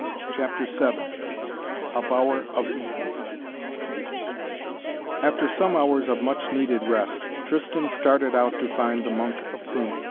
CHAPTER VII A BOWER OF EDEN After some hours of much needed rest Tristan started out to find the Monk of Cluny.